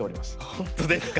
本当ですか？